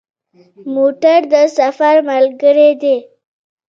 موټر د سفر ملګری دی.